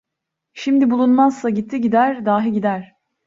Şimdi bulunmazsa gitti gider, dahi gider…